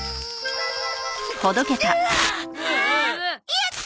やった！